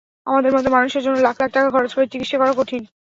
আমাদের মতো মানুষের জন্য লাখ লাখ টাকা খরচ করে চিকিৎসা করা কঠিন।